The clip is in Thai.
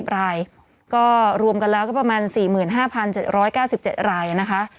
๑รายก็รวมกันแล้วก็ประมาณ๔๕๗๙๗รายนะคะ